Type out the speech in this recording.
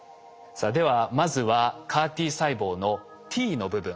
さあではまずはＣＡＲ−Ｔ細胞の「Ｔ」の部分。